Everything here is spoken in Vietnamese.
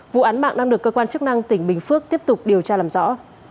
vụ án mạng đang được cơ quan chức năng tỉnh bình phước tiếp tục điều tra làm rõ